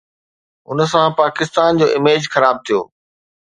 ان سان پاڪستان جو اميج خراب ٿيو.